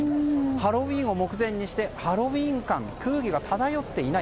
ハロウィーンを目前にしてハロウィーン感、空気が漂っていない。